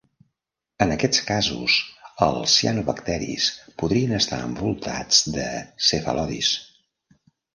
En aquests casos, els cianobacteris podrien estar envoltats de cefalodis.